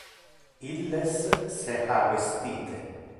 Illes se ha vestite.